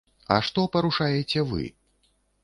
А што парушаеце вы?